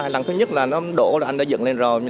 lần thứ nhất là nó đổ là anh đã dựng lên rồi